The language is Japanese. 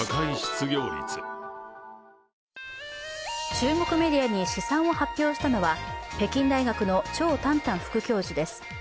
中国メディアに試算を発表したのは、北京大学の張丹丹副教授です。